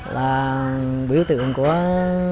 là biểu tượng của nó